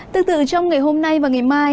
tương tự trong ngày hôm nay và ngày mai